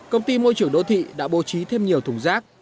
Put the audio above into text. công ty môi trường đô thị đã bố trí thêm nhiều thùng rác